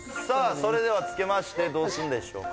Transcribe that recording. それではつけましてどうすんでしょうか？